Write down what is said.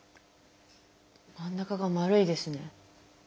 真ん中がまるいですね。